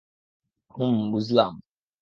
হুম, বুঝলাম।